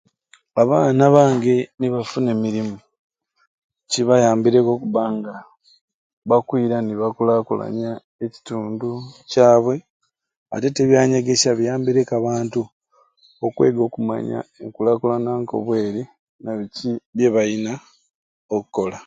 Abaana bange ni bafuna emirumu kibayambireku okubba nga bakwira ne bakulaakulanya ekitundu kyabwe atete ebyanyegesya biyambireku abantu okwega okumanya enkulaakulana nko bweri na biki byebayina okukola.